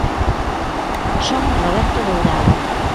_Son Roberto Dourado.